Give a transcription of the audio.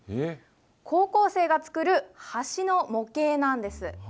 高校生が作る橋の模型なんです。